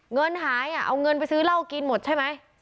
เงินหายเอาเงินไปซื้อเหล้ากินหมดใช่ไหม